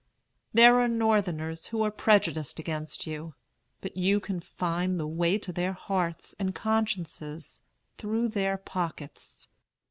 There are Northerners who are prejudiced against you; but you can find the way to their hearts and consciences through their pockets.